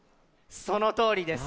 そのとおりです！